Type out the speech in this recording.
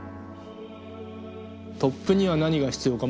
トップには何が必要か。